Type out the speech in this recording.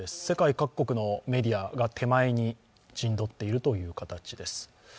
世界各国のメディアが手前に陣取っている形です。